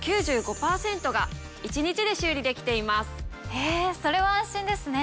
へぇそれは安心ですね。